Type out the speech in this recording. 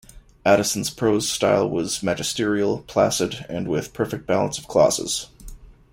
Addison's prose style was magisterial, placid, and with perfect balance of clauses.